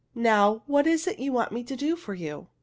" Now, what is it you want me to do for you?"